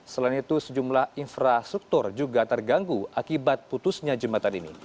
selain itu sejumlah infrastruktur juga terganggu akibat putusnya jembatan ini